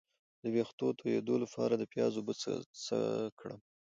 د ویښتو تویدو لپاره د پیاز اوبه څه کړم؟